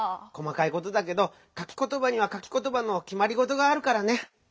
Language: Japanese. こまかいことだけどかきことばにはかきことばのきまりごとがあるからね。